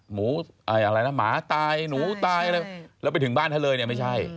หมูอะไรนะหมาตายหนูตายอะไรแล้วไปถึงบ้านท่านเลยเนี่ยไม่ใช่